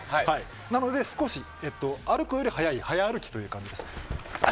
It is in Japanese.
なので、少し歩くより速い早歩きという感じですね。